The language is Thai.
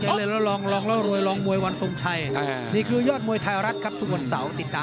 ครับครับครับครับครับครับครับครับครับครับครับครับครับครับ